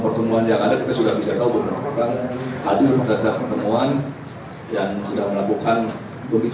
mungkin misalnya dilakukan oleh polri